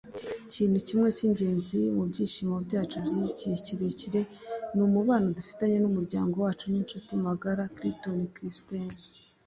ikintu kimwe cy'ingenzi mu byishimo byacu by'igihe kirekire ni umubano dufitanye n'umuryango wacu n'inshuti magara. - clayton christensen